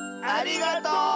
ありがとう？